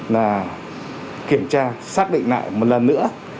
là kiểm tra xác định lại một lần nữa